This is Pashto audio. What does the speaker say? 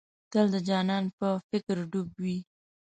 تل د جانان په فکر ډوب وې.